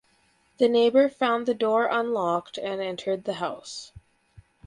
The neighbor found the door unlocked and entered the house.